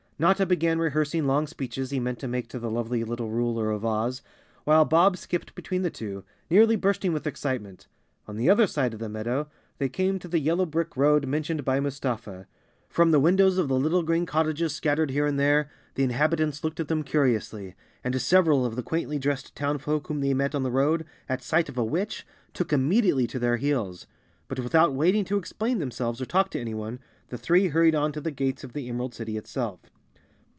Notta began rehearsing long speeches he meant to make to the lovely little ruler of Oz, while Bob skipped between the two, nearly bursting with excitement. On the other side of the meadow they came to the yellow brick road mentioned by Mustafa. From the windows of the lit¬ tle green cottages scattered here and there, the inhab¬ itants looked at them curiously, and several of the quaintly dressed town folk whom they met on the road, at sight of a witch, took immediately to their heels. But without waiting to explain themselves or talk to anyone, the three hurried on to the gates of the Emer¬ ald City itself.